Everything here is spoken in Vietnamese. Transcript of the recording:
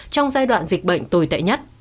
trong giai đoạn dịch bệnh tồi tệ nhất